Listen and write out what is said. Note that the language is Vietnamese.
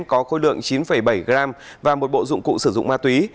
có khối lượng chín bảy gram và một bộ dụng cụ sử dụng ma túy